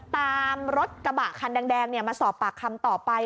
ตามรถกระบะคันแดงมาสอบปากคำต่อไป